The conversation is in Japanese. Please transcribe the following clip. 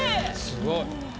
すごい。